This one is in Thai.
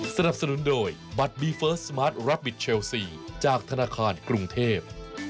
สนับสนุนโดยบัตรบีเฟิร์สสมาร์ทรับบิทเชลซีจากธนาคารกรุงเทพ